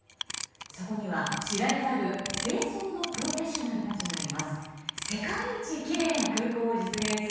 そこには知られざる清掃のプロフェッショナルたちがいます。